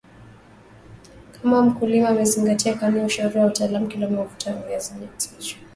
kama mkuliama amezingatia kanuni na ushauri wa wataalam wa kilimo huvuna viazi vyenye tija